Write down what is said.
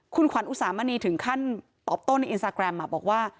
คุณขวัญอุสามณีถึงขั้นตอบโต้ในอินสตาแกรมบอกว่า